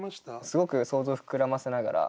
すごく想像膨らませながら。